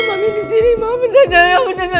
aku disini mau mendengar aku dengar